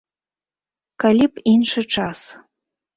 Калі б іншы час.